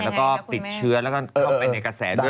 ติดเชื้อและเข้าไปกระแส